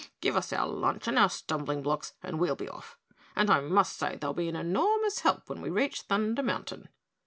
"Give us our lunch and our stumbling blocks and we'll be off, and I must say they'll be an enormous help when we reach Thunder Mountain."